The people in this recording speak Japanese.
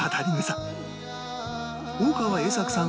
大川栄策さん